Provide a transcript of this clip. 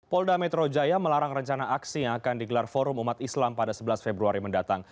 polda metro jaya melarang rencana aksi yang akan digelar forum umat islam pada sebelas februari mendatang